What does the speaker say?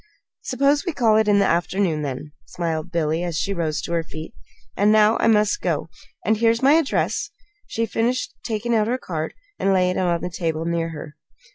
"Suppose we call it in the afternoon, then," smiled Billy, as she rose to her feet. "And now I must go and here's my address," she finished, taking out her card and laying it on the table near her.